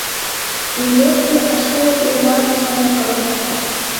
Милеҭтәи ашколаҿ еимаркхьан акыр.